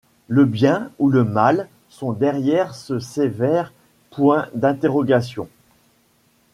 Le bien ou le mal sont derrière ce sévère point d’interrogation.